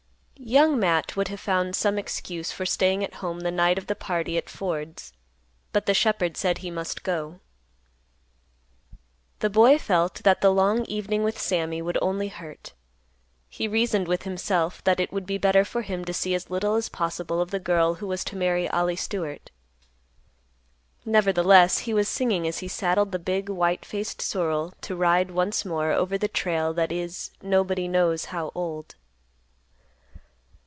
Young Matt would have found some excuse for staying at home the night of the party at Ford's, but the shepherd said he must go. The boy felt that the long evening with Sammy would only hurt. He reasoned with himself that it would be better for him to see as little as possible of the girl who was to marry Ollie Stewart. Nevertheless, he was singing as he saddled the big white faced sorrel to ride once more over the trail that is nobody knows how old.